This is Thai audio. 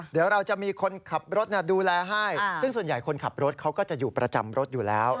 เดี๋ยวเราจะมีคนขับรถดูแลให้ซึ่งส่วนใหญ่คนขับรถเขาก็จะอยู่ประจำรถอยู่แล้ว